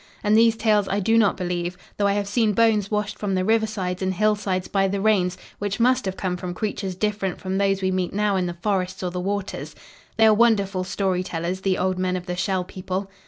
And these tales I do not believe, though I have seen bones washed from the riversides and hillsides by the rains which must have come from creatures different from those we meet now in the forests or the waters. They are wonderful story tellers, the old men of the Shell People."